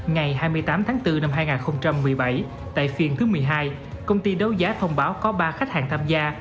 ngày hai mươi tám tháng bốn năm hai nghìn một mươi bảy tại phiên thứ một mươi hai công ty đấu giá thông báo có ba khách hàng tham gia